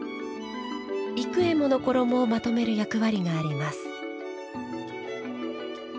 幾重もの衣をまとめる役割があります。